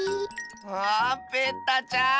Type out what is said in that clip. あペッタちゃん！